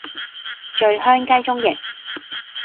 醉香雞中翼